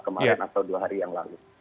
kemarin atau dua hari yang lalu